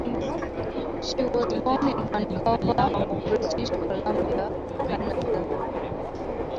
She was born in Vancouver, British Columbia, Canada.